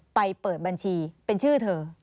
เปิดบัญชีเป็นชื่อเธอ